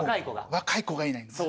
若い子がいないんです。